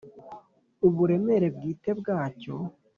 uburemere bwite bwacyo